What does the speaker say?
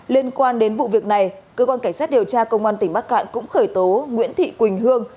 liên quan đến vụ việc này cơ quan cảnh sát điều tra công an tỉnh bắc cạn cũng khởi tố nguyễn thị quỳnh hương